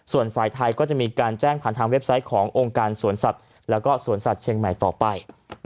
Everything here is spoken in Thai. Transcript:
ส่วนฝ่ายไทยก็จะมีการแจ้งผ่านทางเว็บไซต์ขององค์การสวนสัตว์แล้วก็สวนสัตว์เชียงใหม่ต่อไป